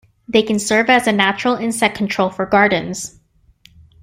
They can serve as a natural insect control for gardens.